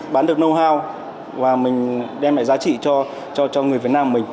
bán được know how và mình đem lại giá trị cho người việt nam mình